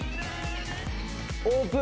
オープン！